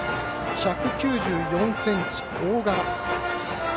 １９４ｃｍ、大柄。